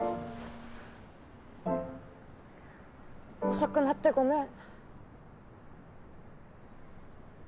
遅くなってごめん。